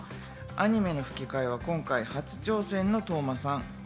アニメの吹き替えは今回初挑戦の當真さん。